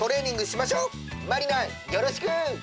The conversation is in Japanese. まりなよろしく！